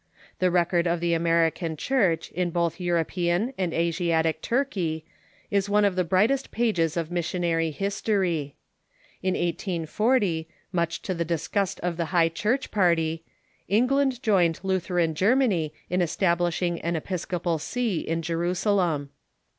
The record of the American Church in both European and Asiatic Turkey is one of the brightest pages of missionary history. In 1840, much to the disgust of the Iligh Churcli party, England joined Lutheran Germany in establishing an Episcopal see in Jerusalem.